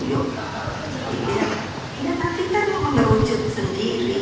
jadi ya tadi kan mau berwujud sendiri